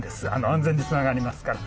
安全につながりますから。